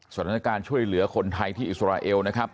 สถานการณ์ช่วยเหลือคนไทยที่อิสราเอลนะครับ